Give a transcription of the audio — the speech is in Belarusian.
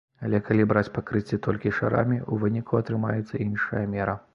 Але калі браць пакрыцці толькі шарамі, у выніку атрымаецца іншая мера.